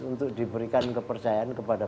untuk diberikan kepercayaan kepada